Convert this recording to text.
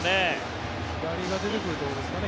左が出てくるということですかね。